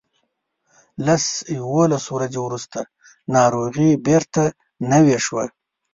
لس یوولس ورځې وروسته ناروغي بیرته نوې شوه.